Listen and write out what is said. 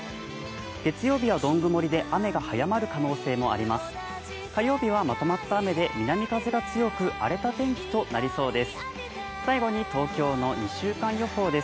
月曜日はどん曇りで雨が早まる可能性もありそうです。